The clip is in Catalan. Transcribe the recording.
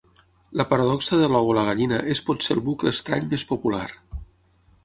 La paradoxa de l'ou o la gallina és potser el bucle estrany més popular.